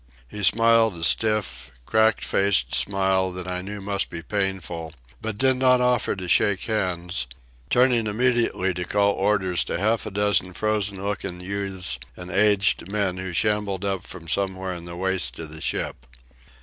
He smiled a stiff, crack faced smile that I knew must be painful, but did not offer to shake hands, turning immediately to call orders to half a dozen frozen looking youths and aged men who shambled up from somewhere in the waist of the ship.